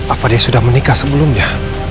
apa dia sudah menikah sebelumnya